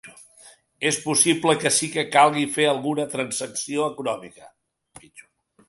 És possible que sí que calgui fer alguna transacció econòmica.